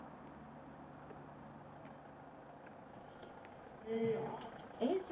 ３冠達成です。